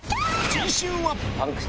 次週は！